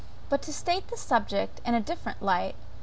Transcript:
But to state the subject in a different light.